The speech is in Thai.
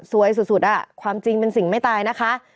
สวยสุดความจริงเป็นสิ่งไม่ตายนะคะ